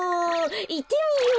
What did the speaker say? いってみよう！